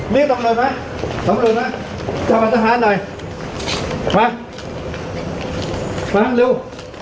เร็วตำรวจมาตำรวจมาจับอัตภาพหน่อยมามาเร็ว